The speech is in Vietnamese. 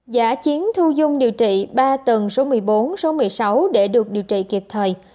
giả chiến thu dung điều trị ba tầng số một mươi bốn số một mươi sáu để được điều trị kịp thời